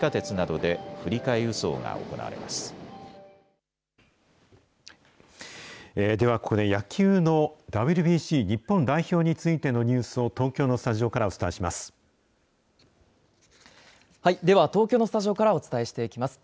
ではここで野球のＷＢＣ日本代表についてのニュースを東京のでは東京のスタジオからお伝えしていきます。